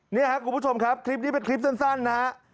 นี่ครับคุณผู้ชมครับคลิปนี้เป็นคลิปสั้นนะฮะ